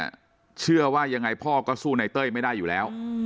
ที่ทะเลาะกันเนี่ยเชื่อว่ายังไงพอก็สู้ในเต้ยไม่ได้อยู่แล้ว